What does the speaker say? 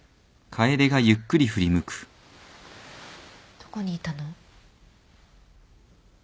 どこにいたの？